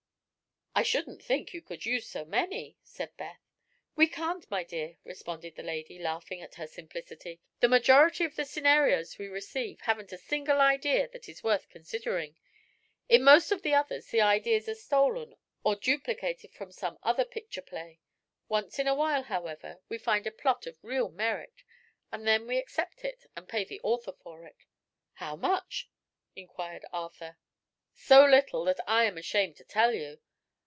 "I shouldn't think you could use so many," said Beth. "We can't, my dear," responded the lady, laughing at her simplicity. "The majority of the scenarios we receive haven't a single idea that is worth considering. In most of the others the ideas are stolen, or duplicated from some other picture play. Once in a while, however, we find a plot of real merit, and then we accept it and pay the author for it." "How much?" inquired Arthur. "So little that I am ashamed to tell you.